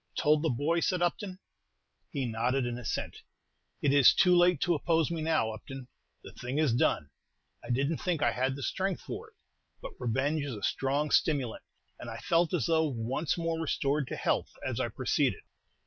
"Told the boy?" said Upton. He nodded an assent. "It is too late to oppose me now, Upton, the thing is done. I didn't think I had strength for it; but revenge is a strong stimulant, and I felt as though once more restored to health, as I proceeded.